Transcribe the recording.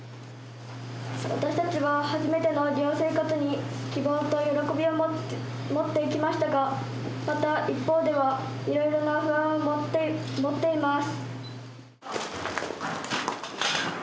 私たちは初めての寮生活に希望と喜びを持ってきましたがまた一方ではいろいろな不安を持っています。